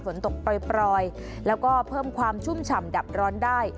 ฝนตกปล่อยแล้วก็เพิ่มความชุ่มฉ่ำดับร้อนได้